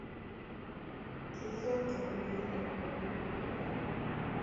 Kiikat kamenyi eng konyit ne o